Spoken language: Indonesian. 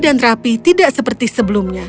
dan rapi tidak seperti sebelumnya